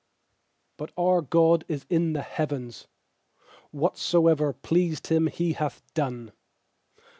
3But our God is in the heavens; Whatsoever pleased Him He hath done.